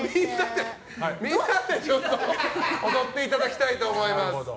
みんなで踊っていただきたいと思います。